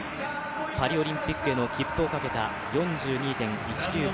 パリオリンピックへの切符をかけた４２．１９５